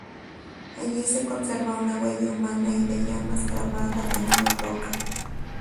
Allí se conserva una huella humana y de llamas grabada en una roca.